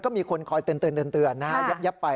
ก็มีคนคอยเตือนนะฮะยับไป